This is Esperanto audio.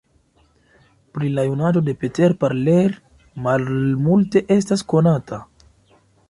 Pri la junaĝo de Peter Parler malmulte estas konata.